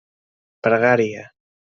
Pregària.